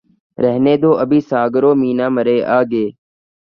رہنے دو ابھی ساغر و مینا مرے آگے